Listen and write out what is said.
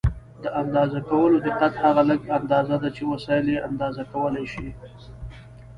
د اندازه کولو دقت هغه لږه اندازه ده چې وسایل یې اندازه کولای شي.